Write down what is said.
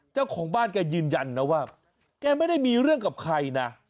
เจ้าของบ้านแกยืนยันนะว่าแกไม่ได้มีเรื่องกับใครนะ